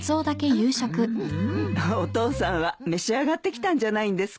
お父さんは召し上がってきたんじゃないんですか？